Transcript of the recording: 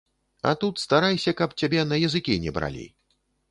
А тут старайся, каб цябе на языкі не бралі.